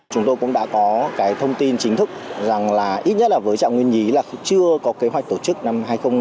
chúng tôi cũng đã có cái thông tin chính thức rằng là ít nhất là với trạng nguyên nhí là chưa có kế hoạch tổ chức năm hai nghìn hai mươi